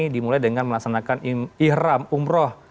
dimulai dengan melaksanakan ihram umroh